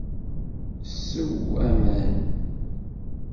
Sew aman.